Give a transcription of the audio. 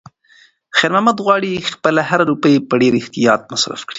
خیر محمد غواړي چې خپله هره روپۍ په ډېر احتیاط مصرف کړي.